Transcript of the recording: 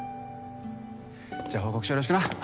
じゃ報告書よろしくな。